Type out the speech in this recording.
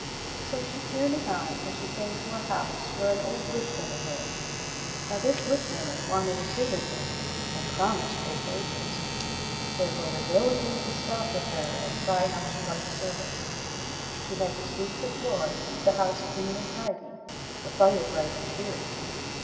So she journeyed on till she came to a house where an old witch woman lived. Now this witch woman wanted a servant maid, and promised good wages. Therefore the girl agreed to stop with her and try how she liked service. She had to sweep the floor, keep the house clean and tidy. THE TWO SISTERS 119 the fire bright and cheery.